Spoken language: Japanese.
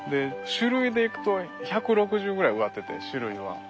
種類でいくと１６０ぐらい植わってて種類は。